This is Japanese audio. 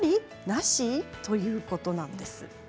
なし？ということなんです。